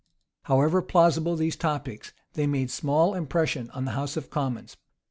However plausible these topics, they made small impression on the house of commons.